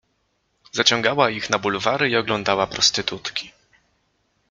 Zaciągała ich na bulwary i oglą dała prostytutki.